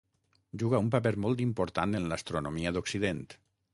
Juga un paper molt important en l'astronomia d'occident.